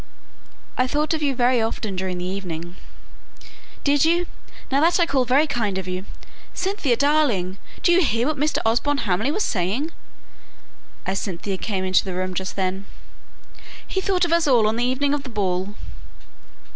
"I thought of you very often during the evening!" "Did you? Now that I call very kind of you. Cynthia, darling! Do you hear what Mr. Osborne Hamley was saying?" as Cynthia came into the room just then. "He thought of us all on the evening of the ball."